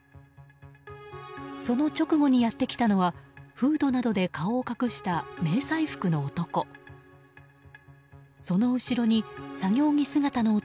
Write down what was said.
その直後にやってきたのはフードなどで顔を隠した迷彩服の男。